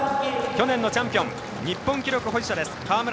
去年のチャンピオン日本記録保持者の河村。